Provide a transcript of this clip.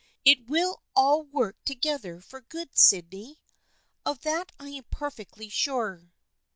It will all work together for good, Sydney. Of that I am perfectly sure."